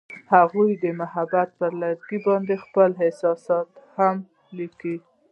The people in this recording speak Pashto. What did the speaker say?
هغوی د محبت پر لرګي باندې خپل احساسات هم لیکل.